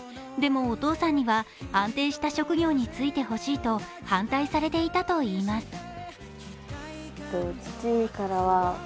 でも、お父さんには安定した職業に就いてほしいと反対されていたといいます。